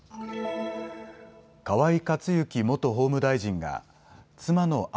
河井克行元法務大臣が妻の案